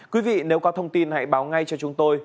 quý vị nếu có thông tin hãy báo ngay cho chúng tôi